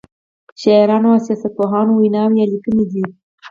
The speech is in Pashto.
شاعرانو او سیاست پوهانو ویناوی یا لیکنې دي.